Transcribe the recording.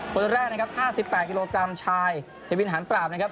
คนแรกนะครับ๕๘กิโลกรัมชายเทวินหารปราบนะครับ